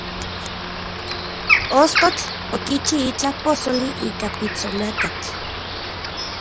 Ostotl okichi itlaj posoli ika pitsonakatl.